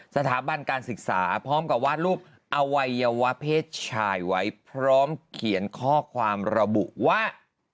สถาบันการศึกษาพร้อมกับวาดรูปอวัยวะเพศชายไว้พร้อมเขียนข้อความระบุว่า